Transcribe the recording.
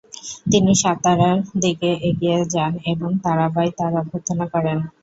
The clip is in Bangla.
তিনি সাতারার দিকে এগিয়ে যান এবং তারাবাঈ তার অভ্যর্থনা করেন।